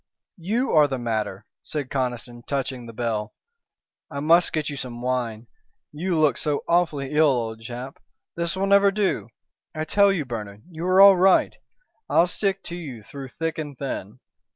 "You are the matter," said Conniston, touching the bell. "I must get you some wine. You look so awfully ill, old chap. This will never do. I tell you, Bernard, you are all right. I'll stick to you through thick and thin."